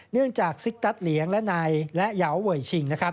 เนื่องจากซิกตั๊ดเหลียงและนายและยาวเวย์ชิง